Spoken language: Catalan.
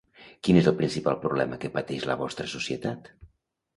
Quin és el principal problema que pateix la vostra societat?